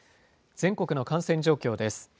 全国の感染状況です。